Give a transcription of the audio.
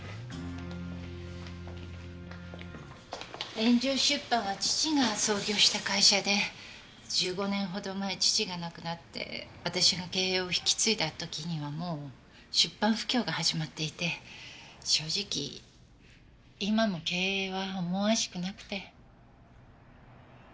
円城出版は父が創業した会社で１５年ほど前父が亡くなって私が経営を引き継いだ時にはもう出版不況が始まっていて正直今も経営は思わしくなくて。